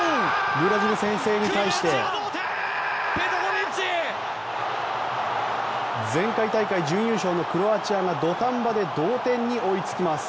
ブラジル先制に対して前回大会準優勝のクロアチアが土壇場で同点に追いつきます。